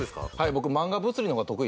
僕。